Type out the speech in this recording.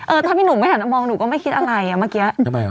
ถ้าพี่หนุ่มไม่หันมามองหนูก็ไม่คิดอะไรอ่ะเมื่อกี้